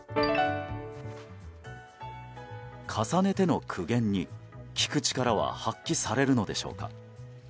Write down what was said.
重ねての苦言に、聞く力は発揮されるのでしょうか。